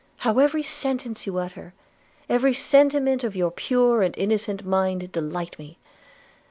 how every sentence you utter, every sentiment of your pure and innocent mind delight me!